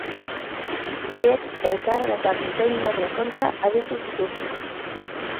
Biek elkarren eta britainiarren kontra aritu zituzten.